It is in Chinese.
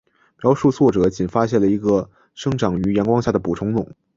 描述作者仅发现了一个生长于阳光下的捕虫笼。